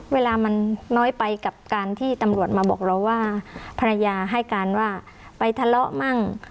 เวลามันน้อยไปกับการที่ตำรวจมาบอกเราว่าภรรยาให้การว่าไปทะเลาะมั่ง